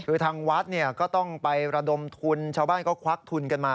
คือทางวัดเนี่ยก็ต้องไประดมทุนชาวบ้านก็ควักทุนกันมา